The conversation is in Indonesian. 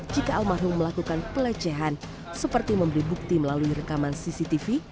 jika almarhum melakukan pelecehan seperti memberi bukti melalui rekaman cctv